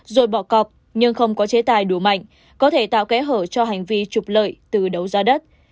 rồi bỏ cọp nhưng không có chế tài đủ mạnh có thể tạo kẽ hở cho hành vi trục lợi từ đấu giá đất